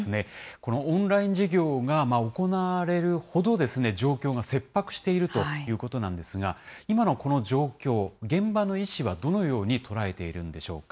このオンライン授業が行われるほど、状況が切迫しているということなんですが、今のこの状況、現場の医師はどのように捉えているんでしょうか。